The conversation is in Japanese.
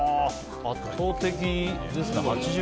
圧倒的ですね。